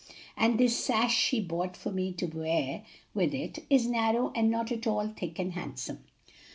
And this sash she bought for me to wear with it is narrow and not at all thick and handsome."